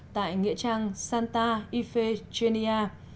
tại nghĩa trang santa ifechenia